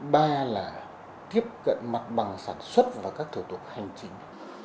ba là tiếp cận mặt bằng sản xuất và các thủ tục hành chính